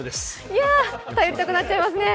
いやぁ、頼りたくなっちゃいますね。